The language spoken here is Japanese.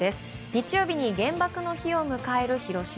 日曜日に原爆の日を迎える広島。